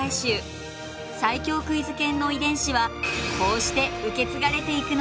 最強クイズ研の遺伝子はこうして受け継がれていくのです。